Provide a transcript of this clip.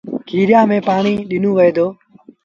کيريآݩ ميݩ پآڻي ڏنو وهي دو